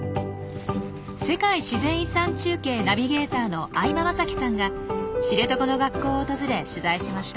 世界自然遺産中継ナビゲーターの相葉雅紀さんが知床の学校を訪れ取材しました。